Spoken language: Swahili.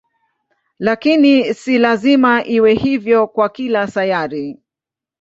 Lakini si lazima iwe hivyo kwa kila sayari.